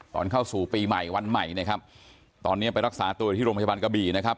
ตอนเข้าสู่ปีใหม่วันใหม่นะครับตอนนี้ไปรักษาตัวอยู่ที่โรงพยาบาลกระบี่นะครับ